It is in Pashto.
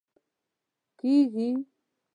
کیږي